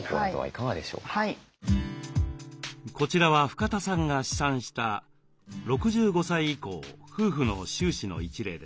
こちらは深田さんが試算した６５歳以降夫婦の収支の一例です。